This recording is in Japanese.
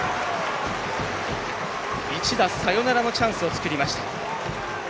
一打サヨナラのチャンスを作りました。